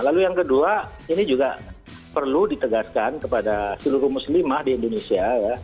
lalu yang kedua ini juga perlu ditegaskan kepada seluruh muslimah di indonesia